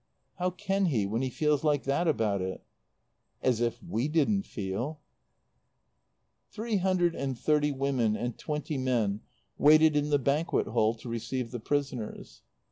"How can he when he feels like that about it?" "As if we didn't feel!" Three hundred and thirty women and twenty men waited in the Banquet Hall to receive the prisoners.